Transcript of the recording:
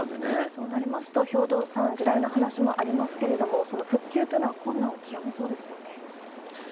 そうなりますと、兵頭さん、地雷の話もありますけれども、その復旧というのは困そうですね。